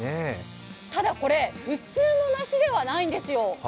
ただこれ、普通の梨ではないんですよ。